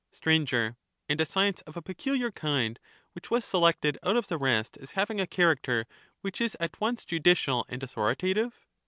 Str. And a science of a peculiar kind, which was selected out of the rest as having a character which is at once judicial and authoritative